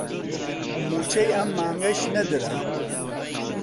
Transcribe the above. مووچەی ئەم مانگەش نەدرا